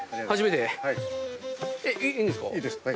いいんですか？